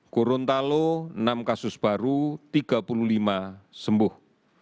gorontalo enam kasus baru tiga puluh lima sembuh